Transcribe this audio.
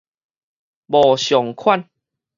無款